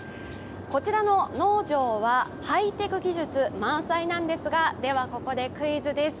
こちらの農場はハイテク技術満載なんですがではここでクイズです。